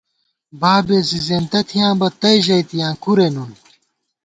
بابېس زی زېنتہ تھِیاں بہ تئ ژَئیتِیاں کُورےنُن